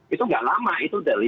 itu nggak lama